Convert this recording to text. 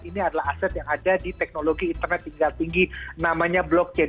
ini adalah aset yang ada di teknologi internet tinggal tinggi namanya blockchain